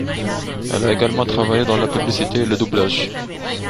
Elle a également travaillé dans la publicité et le doublage.